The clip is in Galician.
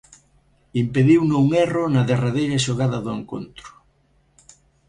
Impediuno un erro, na derradeira xogada do encontro.